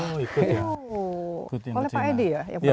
kau lewat pak edi ya yang berangkat ini